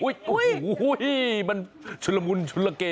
โอ้โหมันชุลมุนชุนละเก